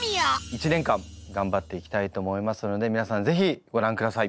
１年間頑張っていきたいと思いますので皆さんぜひご覧ください。